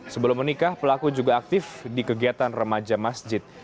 sebelum menikah pelaku juga aktif di kegiatan remaja masjid